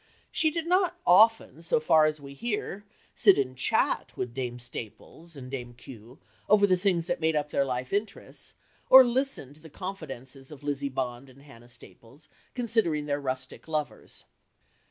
She did not often, so far as we hear, sit and chat with Dame Staples and Dame Kew over the things that made up their life interests, or listen to the confidences of Lizzie Bond and Hannah Staples concerning their rustic lovers.